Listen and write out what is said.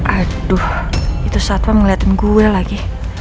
aduh itu satwa ngeliatin gue lagi